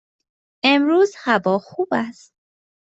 امروز هوا خوب است.